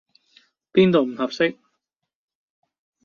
邊度唔合適？